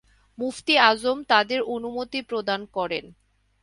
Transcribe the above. মুফতী আজম তাদের অনুমতি প্রদান করেন।